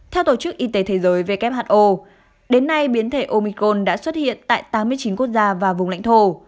theo tổ chức y tế thế giới who đến nay biến thể omicon đã xuất hiện tại tám mươi chín quốc gia và vùng lãnh thổ